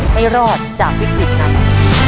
ให้รอดจากวิกฤตนั้น